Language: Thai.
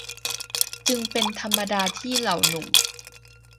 จึงเป็นธรรมดาที่เหล่าหนุ่ม